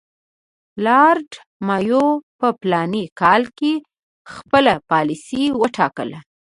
لارډ مایو په فلاني کال کې خپله پالیسي وټاکله.